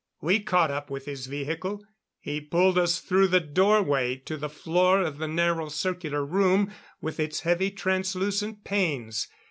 We caught up with his vehicle; he pulled us through the doorway, to the floor of the narrow circular room with its heavy translucent panes.